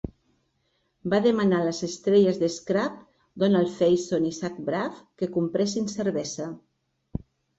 Va demanar les estrelles de "Scrubs"' Donald Faison i Zach Braff que compressin cervesa.